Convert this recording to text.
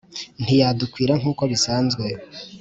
Ntiyadukwira nk'uko bisanzwe